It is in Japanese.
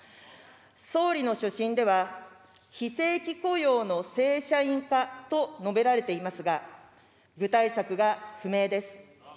総理の所信では、非正規雇用の正社員化と述べられていますが、具体策が不明です。